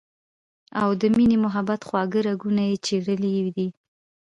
او د مينې محبت خواږۀ راګونه ئې چېړلي دي